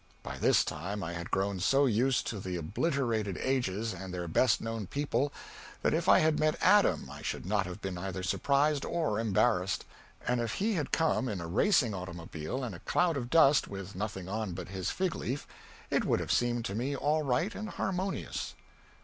By this time I had grown so used to the obliterated ages and their best known people that if I had met Adam I should not have been either surprised or embarrassed; and if he had come in a racing automobile and a cloud of dust, with nothing on but his fig leaf, it would have seemed to me all right and harmonious.